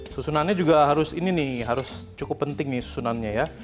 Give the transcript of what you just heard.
susunannya juga harus ini nih harus cukup penting nih susunannya ya